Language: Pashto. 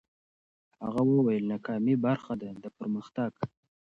هغه وویل، ناکامي برخه ده د پرمختګ.